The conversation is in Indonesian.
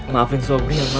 saatisions tepung tim